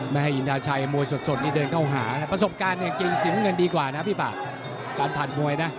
ไม่ให้อินทาชัยมวยสดนี่เดินเข้าหานะประสบการณ์เนี่ยเก่งสีน้ำเงินดีกว่านะพี่ปากการผ่านมวยนะ